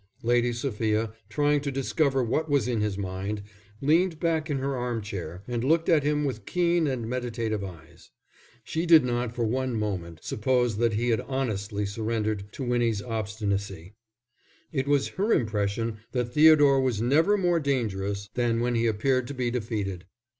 Lady Sophia, trying to discover what was in his mind, leaned back in her arm chair and looked at him with keen and meditative eyes. She did not for one moment suppose that he had honestly surrendered to Winnie's obstinacy. It was her impression that Theodore was never more dangerous than when he appeared to be defeated.